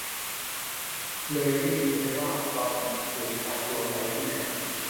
เลยไม่รู้ว่าตอนนั้นถูกพาตัวไปที่ไหน